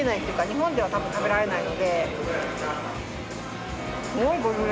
日本では多分食べられないので。